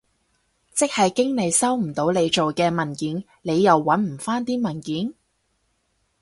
即係經理收唔到你做嘅文件，你又搵唔返啲文件？